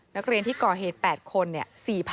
นักเรียนที่ก่อเหตุ๘คนเนี่ย๔๐๐๐